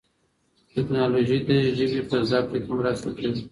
تکنالوژي د ژبي په زده کړه کي مرسته کوي.